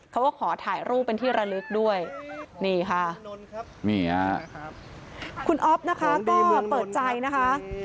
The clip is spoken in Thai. เขาก็ขอถ่ายรูปเป็นที่ระลึกด้วยนี่ค่ะนี่ฮะคุณอ๊อฟนะคะก็เปิดใจนะคะ